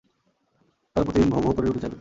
তবে প্রতিদিন ভউ ভউ করে রুটি চাইবে।